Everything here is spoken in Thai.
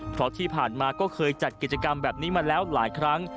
เพราะที่ผ่านมาก็เคยจัดกิจกรรมแบบนี้มาแล้วหลายครั้ง